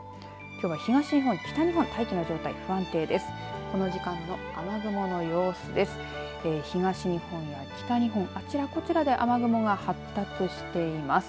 きょうは東日本、北日本大気の状態、不安定です。